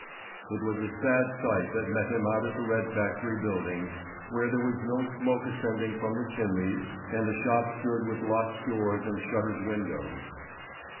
It was a sad sight that met him out at the red factory buildings, where there was no smoke ascending from the chimneys, and the shop stood with locked doors and shuttered windows.